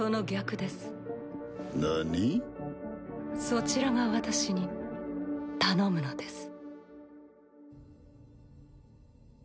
そちらが私に頼むのです。